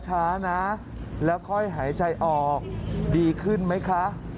ช้านะแล้วค่อยหายใจออกดีขึ้นไหมคะ